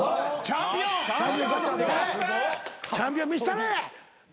チャンピオン見したれ！